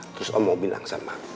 terus om mau bilang sama